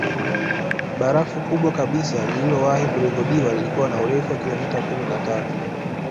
Barafu kubwa kabisa lililowahi kurekodiwa lilikuwa na urefu wa kilometa kumi na tatu